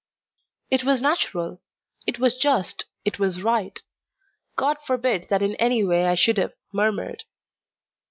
It was natural, it was just, it was right. God forbid that in any way I should have murmured.